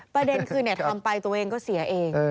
ประเด็นคือทำไปตัวเองก็เสียเอง